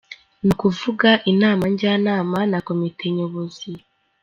Ni ukuvuga inama njyanama na Komite Nyobozi.